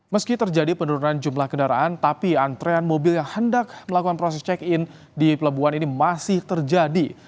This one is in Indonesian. meski terjadi penurunan jumlah kendaraan tapi antrean mobil yang hendak melakukan proses check in di pelabuhan ini masih terjadi